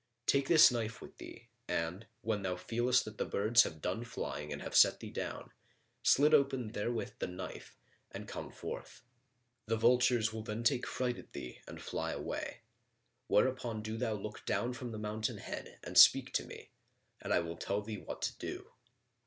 Take this knife with thee; and, when thou feelest that the birds have done flying and have set thee down, slit open therewith the skin and come forth. The vultures will then take fright at thee and fly away; whereupon do thou look down from the mountain head and speak to me, and I will tell thee what to do."